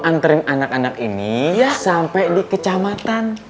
anterin anak anak ini ya sampai di kecamatan